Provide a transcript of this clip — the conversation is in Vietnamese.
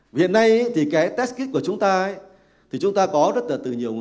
người dương tính với virus ncov được chữa khỏi sẽ không tái nhiễm